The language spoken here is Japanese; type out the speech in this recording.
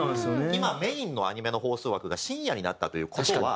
今メインのアニメの放送枠が深夜になったという事は。